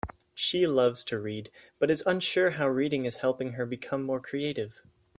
She loves to read, but is unsure how reading is helping her become more creative.